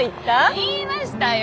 言いましたよ。